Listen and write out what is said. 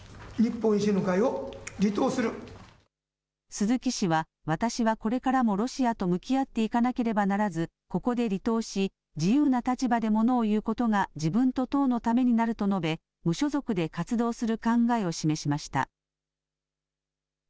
鈴木氏は、私はこれからもロシアと向き合っていかなければならず、ここで離党し、自由な立場でものを言うことが自分と党のためになると述べ、無所属で活動する考えを示しました。